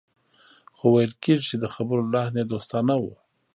خو ويل کېږي چې د خبرو لحن يې دوستانه و.